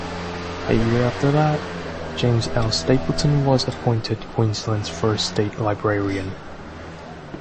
A year after that, James L. Stapleton was appointed Queensland's first State Librarian.